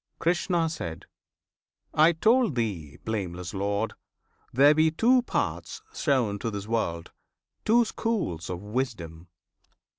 Krishna. I told thee, blameless Lord! there be two paths Shown to this world; two schools of wisdom.